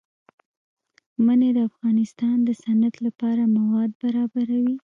منی د افغانستان د صنعت لپاره مواد برابروي.